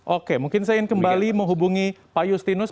oke mungkin saya ingin kembali menghubungi pak justinus